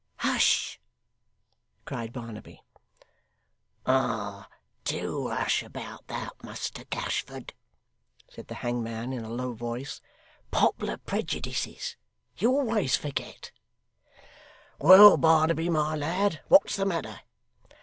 'Hush!' cried Barnaby. 'Ah! Do hush about that, Muster Gashford,' said the hangman in a low voice, 'pop'lar prejudices you always forget well, Barnaby, my lad, what's the matter?